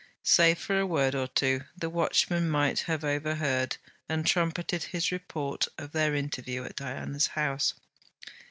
Save for a word or two, the watchman might have overheard and trumpeted his report of their interview at Diana's house.